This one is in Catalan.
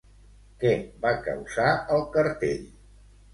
Què va causar el cartell?